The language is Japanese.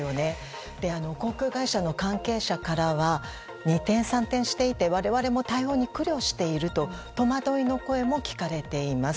航空会社の関係者からは二転三転していて我々も対応に苦慮していると戸惑いの声も聞かれています。